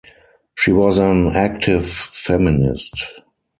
She was an active feminist.